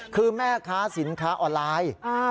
คือแม่ค้าสินค้าออนไลน์